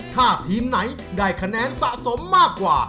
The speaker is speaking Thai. ถ้าทีมไหนได้คะแนนสะสมมากกว่า